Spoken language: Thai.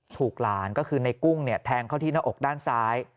ถูกหลานก็คือในกุ้งแทงเข้าที่หน้าอกด้านซ้าย